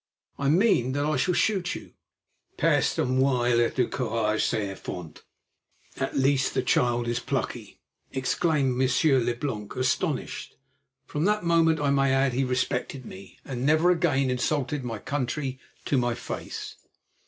"I mean that I shall shoot you." "Peste! Au moins il a du courage, cet enfant" (At least the child is plucky), exclaimed Monsieur Leblanc, astonished. From that moment, I may add, he respected me, and never again insulted my country to my face.